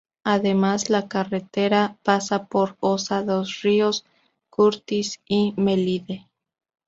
Además la carretera pasa por Oza dos Rios, Curtis y Melide.